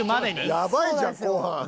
やばいじゃん後半。